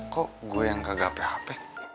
kok gue yang kagak hp hp